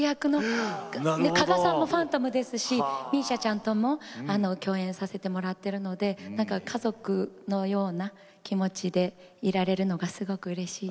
鹿賀さんもファントムですし美依紗ちゃんとも共演させてもらってるので家族のような気持ちでいられるのがすごくうれしいです。